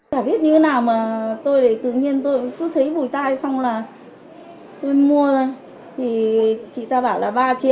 không biết như thế nào mà tôi lại tự nhiên